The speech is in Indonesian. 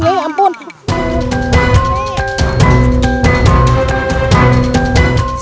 siapa yang suruh ngintip